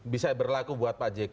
bisa berlaku buat pak jk